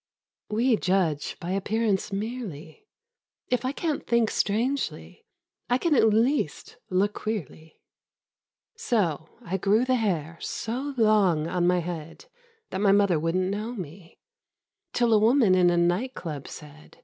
WE judge by appearance merely : If I can't think strangely, I can at least look queerly. So I grew the hair so long on my head That my mother wouldn't know me, Till a woman in a night club said.